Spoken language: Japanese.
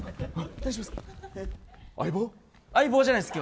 大丈夫ですか？